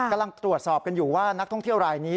กำลังตรวจสอบกันอยู่ว่านักท่องเที่ยวรายนี้